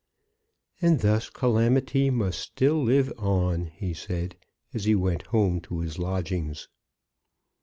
"And thus 'calamity must still live on,'" he said, as he went home to his lodgings.